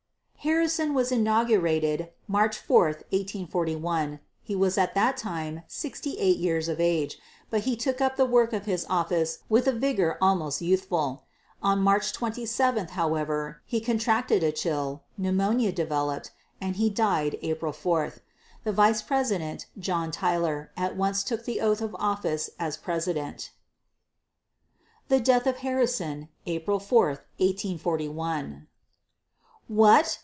Harrison was inaugurated March 4, 1841. He was at that time sixty eight years of age, but he took up the work of his office with a vigor almost youthful. On March 27, however, he contracted a chill, pneumonia developed, and he died April 4. The vice president, John Tyler, at once took the oath of office as president. THE DEATH OF HARRISON [April 4, 1841] What!